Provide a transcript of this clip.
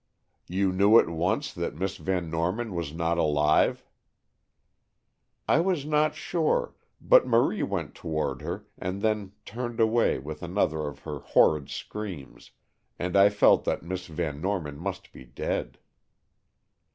"You knew at once that Miss Van Norman was not alive?" "I was not sure, but Marie went toward her, and then turned away with another of her horrid screams, and I felt that Miss Van Norman must be dead."